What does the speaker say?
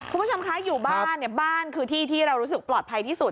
คุณผู้ชมคะอยู่บ้านเนี่ยบ้านคือที่ที่เรารู้สึกปลอดภัยที่สุด